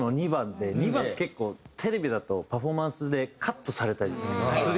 ２番って結構テレビだとパフォーマンスでカットされたりするような場所だったり。